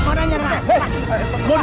mau ke mana nyerang